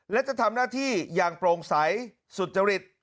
และจะทำหน้าที่อย่างโปร่งใสสุจริต